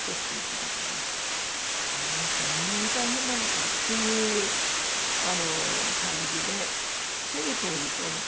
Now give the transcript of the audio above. そんなに大変なのかっていう感じでそれで当日を迎えたんですね